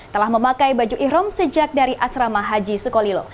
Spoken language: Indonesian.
telah memakai baju ikhrom sejak dari asrama haji sukolilo